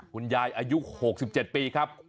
คุณยายอายุ๖๗ปีครับ